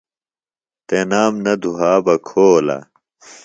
تنام نہ دُھا بہ کھولہ۔